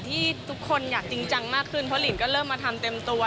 ที่ทุกคนอยากจริงจังมากขึ้นเพราะหลินก็เริ่มมาทำเต็มตัว